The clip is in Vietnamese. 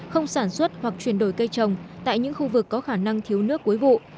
không sản xuất hoặc chuyển đổi cây trồng tại những khu vực có khả năng thiếu nước cuối vụ